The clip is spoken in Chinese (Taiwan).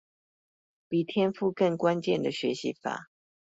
比天賦更關鍵的學習法